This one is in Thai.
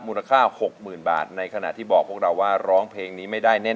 มูลค่า๖๐๐๐บาทในขณะที่บอกพวกเราว่าร้องเพลงนี้ไม่ได้แน่น